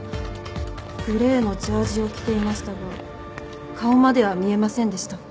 グレーのジャージーを着ていましたが顔までは見えませんでした。